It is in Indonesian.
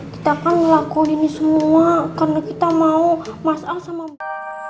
kita kan ngelakuin ini semua karena kita mau mas al sama mbak